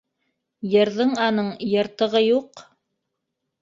Йырҙың аның йыртығы юҡ...